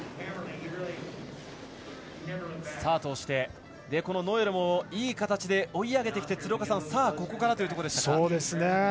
スタートをしてノエルもいい形で追い上げてきて、さあここからというところでした。